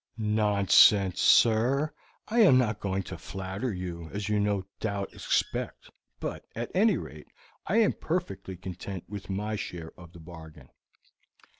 "Nonsense, sir. I am not going to flatter you, as no doubt you expect; but, at any rate, I am perfectly content with my share of the bargain."